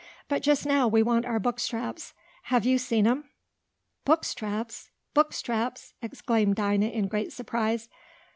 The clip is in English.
But just now we want our book straps. Have you seen 'em?" "Book straps! Book straps!" exclaimed Dinah in great surprise.